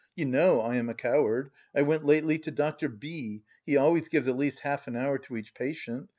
You know I am a coward, I went lately to Dr. B n; he always gives at least half an hour to each patient.